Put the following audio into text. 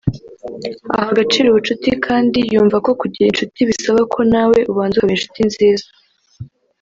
Aha agaciro ubucuti kandi yumva ko kugira incuti bisaba ko nawe ubanza ukaba incuti nziza